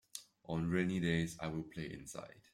On rainy days I will play inside.